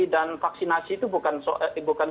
dan vaksinasi itu bukan